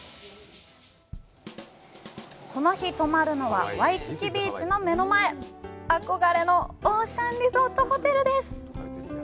この日泊まるのはワイキキ・ビーチの目の前憧れのオーシャンリゾートホテルです